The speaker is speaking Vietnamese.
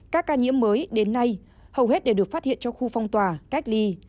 các ca nhiễm mới đến nay hầu hết đều được phát hiện trong khu phong tỏa cách ly